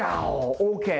オッケー！